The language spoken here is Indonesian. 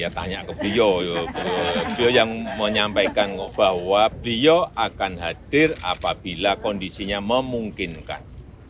saya tanya ke beliau beliau yang menyampaikan bahwa beliau akan hadir apabila kondisinya memungkinkan